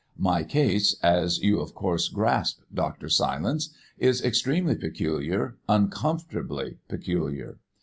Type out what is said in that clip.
My case, as you of course grasp, Dr. Silence, is extremely peculiar, uncomfortably peculiar.